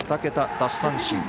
２桁奪三振。